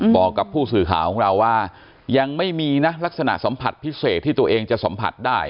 บอกกับผู้สื่อข่าวของเราว่ายังไม่มีนะลักษณะสัมผัสพิเศษที่ตัวเองจะสัมผัสได้